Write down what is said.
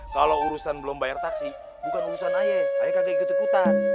kalau urusan belum bayar taksi bukan urusan ayah kakek ikut ikutan